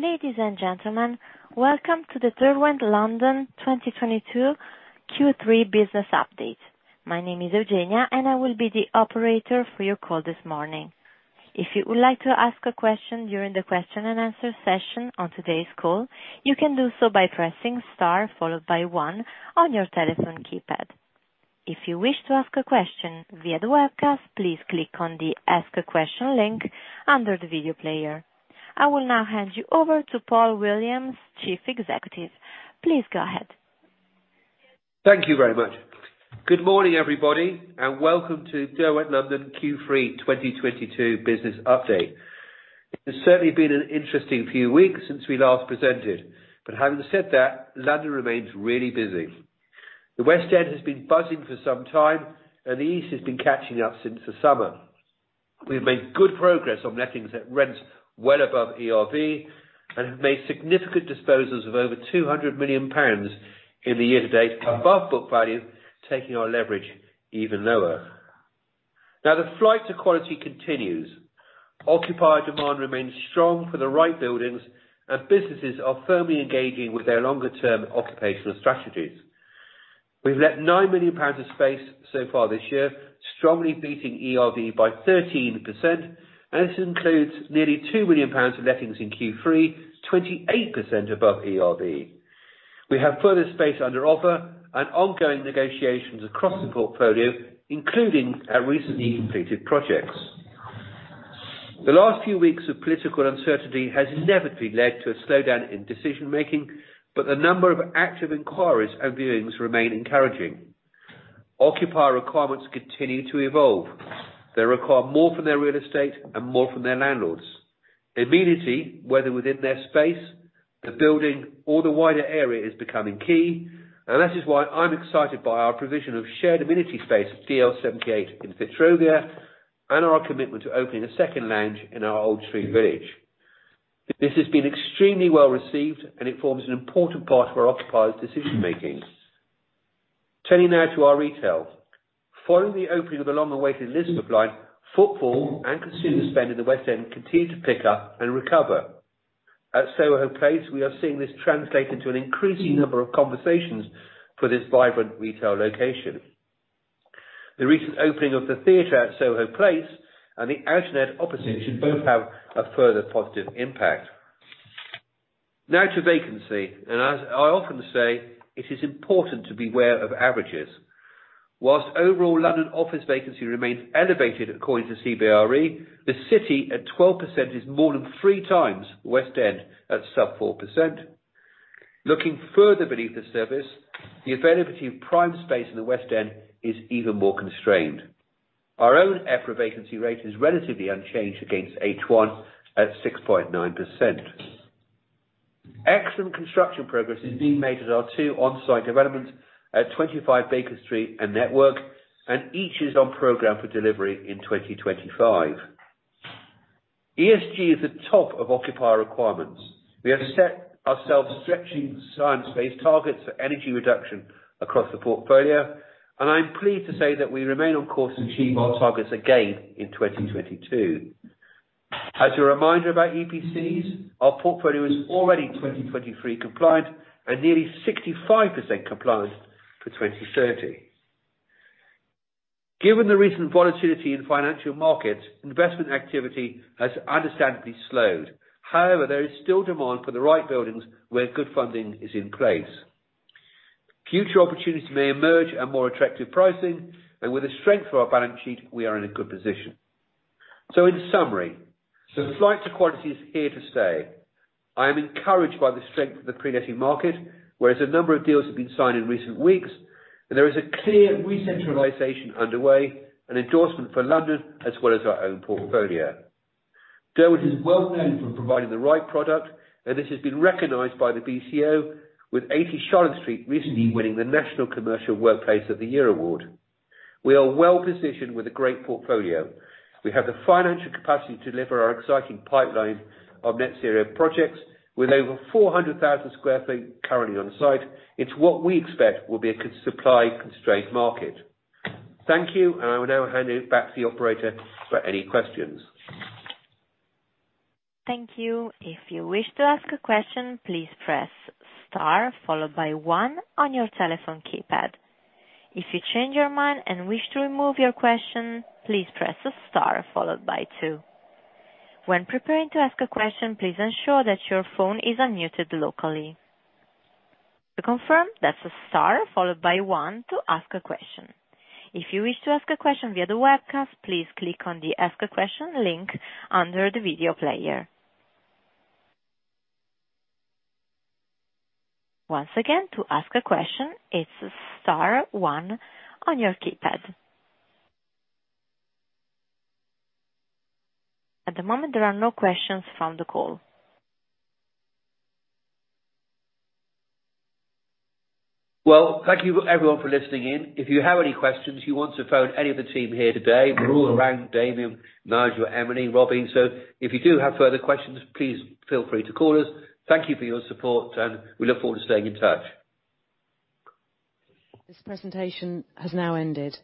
Ladies and gentlemen, welcome to the Derwent London 2022 Q3 business update. My name is Eugenia, and I will be the operator for your call this morning. If you would like to ask a question during the question and answer session on today's call, you can do so by pressing star followed by one on your telephone keypad. If you wish to ask a question via the webcast, please click on the Ask a Question link under the video player. I will now hand you over to Paul Williams, Chief Executive. Please go ahead. Thank you very much. Good morning, everybody, and welcome to Derwent London Q3 2022 business update. It has certainly been an interesting few weeks since we last presented. Having said that, London remains really busy. The West End has been buzzing for some time, and the East has been catching up since the summer. We've made good progress on lettings at rents well above ERV and have made significant disposals of over 200 million pounds in the year to date above book value, taking our leverage even lower. Now, the flight to quality continues. Occupier demand remains strong for the right buildings, and businesses are firmly engaging with their longer-term occupational strategies. We've let 9 million pounds of space so far this year, strongly beating ERV by 13%, and this includes nearly 2 million pounds of lettings in Q3, 28% above ERV. We have further space under offer and ongoing negotiations across the portfolio, including our recently completed projects. The last few weeks of political uncertainty has inevitably led to a slowdown in decision-making, but the number of active inquiries and viewings remain encouraging. Occupier requirements continue to evolve. They require more from their real estate and more from their landlords. Amenity, whether within their space, the building, or the wider area is becoming key, and that is why I'm excited by our provision of shared amenity space at DL/78 in Fitzrovia and our commitment to opening a second lounge in our Old Street village. This has been extremely well-received, and it forms an important part of our occupiers' decision-making. Turning now to our retail. Following the opening of the long-awaited Elizabeth line, footfall and consumer spend in the West End continue to pick up and recover. At Soho Place, we are seeing this translate into an increasing number of conversations for this vibrant retail location. The recent opening of the theater at Soho Place and the Outernet opposite should both have a further positive impact. Now to vacancy, and as I often say, it is important to beware of averages. While overall London office vacancy remains elevated, according to CBRE, the City at 12% is more than three times West End at sub 4%. Looking further beneath the surface, the availability of prime space in the West End is even more constrained. Our own EPRA vacancy rate is relatively unchanged against H1 at 6.9%. Excellent construction progress is being made at our two on-site developments at 25 Baker Street and Network, and each is on program for delivery in 2025. ESG is at top of occupier requirements. We have set ourselves stretching science-based targets for energy reduction across the portfolio, and I'm pleased to say that we remain on course to achieve our targets again in 2022. As a reminder about EPCs, our portfolio is already 2023 compliant and nearly 65% compliant for 2030. Given the recent volatility in financial markets, investment activity has understandably slowed. However, there is still demand for the right buildings where good funding is in place. Future opportunities may emerge at more attractive pricing, and with the strength of our balance sheet, we are in a good position. In summary, the flight to quality is here to stay. I am encouraged by the strength of the pre-letting market, whereas a number of deals have been signed in recent weeks, and there is a clear recentralization underway, an endorsement for London as well as our own portfolio. Derwent is well-known for providing the right product, and this has been recognized by the BCO, with 80 Charlotte Street recently winning the National Commercial Workplace of the Year award. We are well-positioned with a great portfolio. We have the financial capacity to deliver our exciting pipeline of net zero projects. With over 400,000 sq ft currently on site, it's what we expect will be a supply constrained market. Thank you, and I will now hand it back to the operator for any questions. Thank you. If you wish to ask a question, please press star followed by one on your telephone keypad. If you change your mind and wish to remove your question, please press Star followed by two. When preparing to ask a question, please ensure that your phone is unmuted locally. To confirm, that's Star followed by one to ask a question. If you wish to ask a question via the webcast, please click on the Ask a Question link under the video player. Once again, to ask a question, it's star one on your keypad. At the moment, there are no questions from the call. Well, thank you everyone for listening in. If you have any questions, you want to phone any of the team here today, we're all around, Damian, Nigel, Emily, Robyn. If you do have further questions, please feel free to call us. Thank you for your support, and we look forward to staying in touch. This presentation has now ended.